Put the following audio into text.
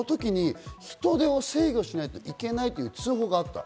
人出を制御しないといけないという通報があった。